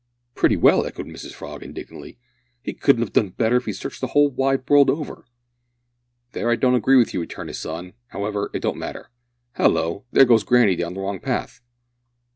"Pretty well!" echoed Mrs Frog indignantly; "he couldn't 'ave done better if 'e'd searched the wide world over." "There I don't agree with you," returned her son; "however, it don't matter Hallo! there goes granny down the wrong path!"